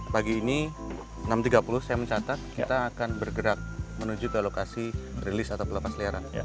pagi ini enam tiga puluh saya mencatat kita akan bergerak menuju ke lokasi rilis atau pelepas liaran